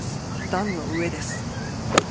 段の上です。